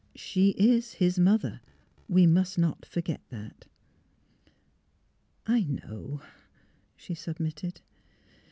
'' She is his mother. We must not forget that." " I know," she submitted.